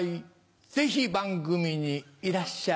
ぜひ番組にいらっしゃい！